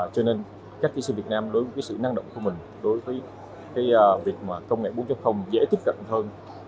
cho nên các kỹ sư việt nam đối với sự năng động của mình đối với việc công nghệ bốn dễ tiếp cận hơn